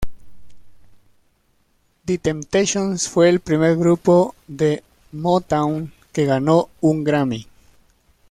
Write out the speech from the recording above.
The Temptations fue el Primer grupo de Motown que ganó un Grammy.